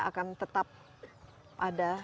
akan tetap ada